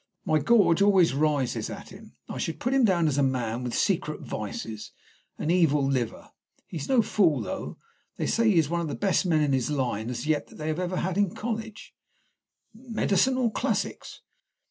My gorge always rises at him. I should put him down as a man with secret vices an evil liver. He's no fool, though. They say that he is one of the best men in his line that they have ever had in the college." "Medicine or classics?"